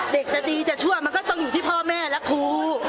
เด็กจะดีจะชั่วมันก็ต้องอยู่ที่พ่อแม่และครู